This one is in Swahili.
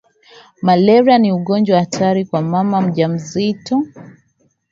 malaria ni ugonjwa hatari kwa mama mjawazito